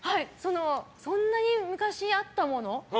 そんなに昔あったもの